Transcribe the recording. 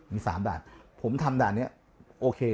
มี๓ด่านผมทำด่านนี้โอเค